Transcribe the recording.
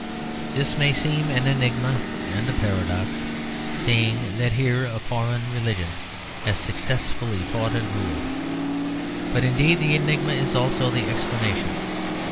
This may seem an enigma and a paradox; seeing that here a foreign religion has successfully fought and ruled. But indeed the enigma is also the explanation.